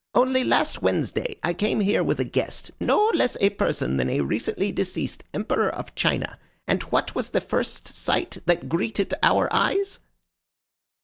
Only last Wednesday I came here with a guest no less a person than a recently deceased Emperor of China and what was the first sight that greeted our eyes?"